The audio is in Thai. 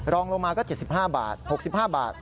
รองลงมาก็๗๕บาท๖๕บาท